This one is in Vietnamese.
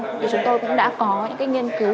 thì chúng tôi cũng đã có những nghiên cứu